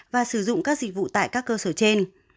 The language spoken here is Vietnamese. và sử dụng các dịch vụ tại các cơ sở trên